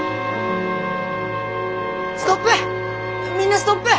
ストップ！